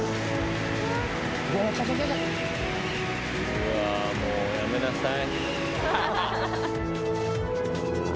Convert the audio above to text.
うわぁもうやめなさい。